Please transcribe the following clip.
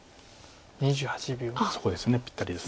そこですぴったりです。